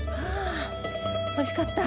はあ、おいしかった。